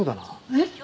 えっ？